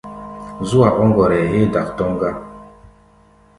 Zú-a ɔ́ ŋgɔrɛɛ héé dak tɔ́ŋ gá.